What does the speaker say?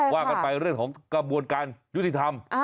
ว่ากันไปเรื่องของกระบวนการยุติธรรม